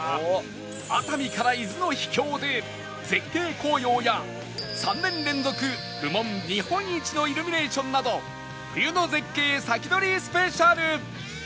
熱海から伊豆の秘境で絶景紅葉や３年連続部門日本一のイルミネーションなど冬の絶景先取りスペシャル